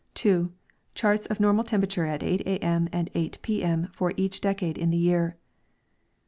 2. Charts of normal temperature at 8 a. m. and 8 jj. m. for each decade in the year.